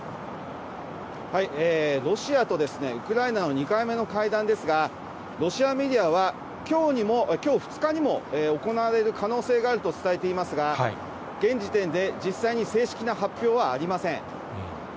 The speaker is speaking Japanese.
ロシアとウクライナの２回目の会談ですが、ロシアメディアは、きょう２日にも行われる可能性があると伝えていますが、現時点で実際に正式な発表はありません。